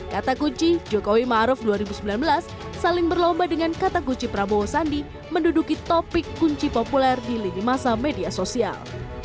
kata kunci jokowi maruf dua ribu sembilan belas saling berlomba dengan kata kunci prabowo sandi menduduki topik kunci populer di lini masa media sosial